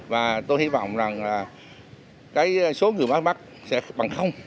và tôi hy vọng rằng số người mắc sẽ bằng